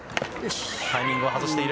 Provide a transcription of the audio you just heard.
タイミングを外している。